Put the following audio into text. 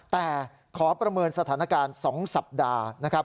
แต่ขอประเมินสถานการณ์๒สัปดาห์